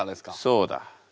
そうだ。